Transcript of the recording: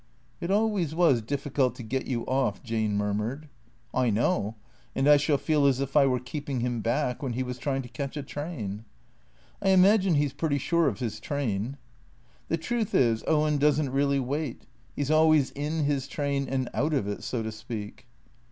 " It always was difficult to get you off," Jane murmured. " I know. And I shall feel as if I were keeping him back when he was trying to catch a train." " I imagine he 's pretty sure of his train." " The truth is Owen does n't really wait. He 's always in his train and out of it, so to speak."